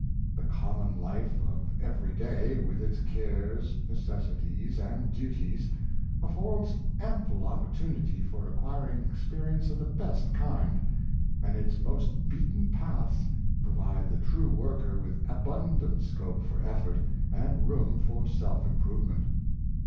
The common life of every day, with its cares, necessities and duties, affords ample opportunity for acquiring experience of the best kind, and its most beaten paths provide the true worker with abundant scope for effort and room for self improve ment.